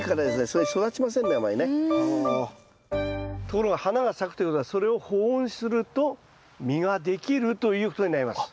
ところが花が咲くということはそれを保温すると実ができるということになります。